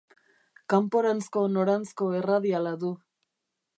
Kanporanzko noranzko erradiala du.